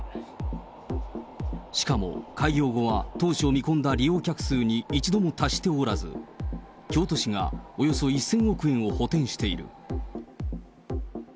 しかも開業後は、当初見込んだ利用客数に一度も達しておらず、京都市がおよそ１０００億円を補填している。